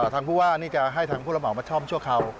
ทางผู้บ้านนี้จะให้ทางผู้ระมาทมาช่อมชั่วคราว